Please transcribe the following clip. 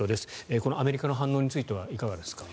このアメリカの反応についてはいかがですか？